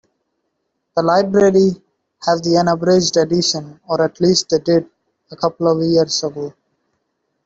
The library have the unabridged edition, or at least they did a couple of years ago.